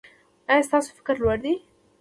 ایا ستاسو فکر لوړ دی؟